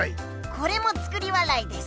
これも作り笑いです。